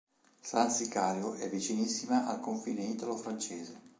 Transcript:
San Sicario è vicinissima al confine italo-francese.